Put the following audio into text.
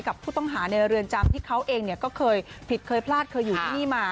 กับผู้ต้องหาในเรือนจำที่เขาเองก็เคยผิดเคยพลาดเคยอยู่ที่นี่มา